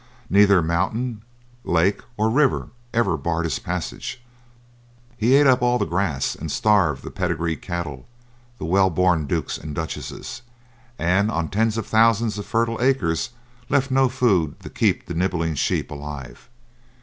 Neither mountain, lake, or river ever barred his passage. He ate up all the grass and starved the pedigree cattle, the well born dukes and duchesses, and on tens of thousands of fertile acres left no food to keep the nibbling sheep alive.